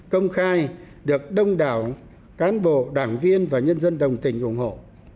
công khai được đông đảo cán bộ đảng viên và nhân dân đồng tình ủng hộ